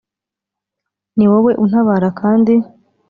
Ni wowe untabara kandi